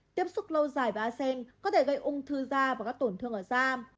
tiếp xúc lâu dài với a sen có thể gây ung thư da và các tổn thương ở da